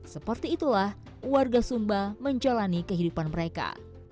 seperti itulah warga sumba menjalani kehidupan mereka